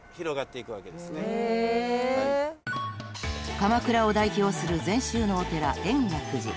［鎌倉を代表する禅宗のお寺円覚寺］